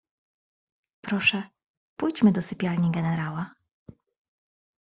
"Proszę, pójdźmy do sypialni generała."